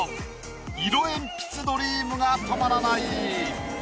色えんぴつドリームが止まらない！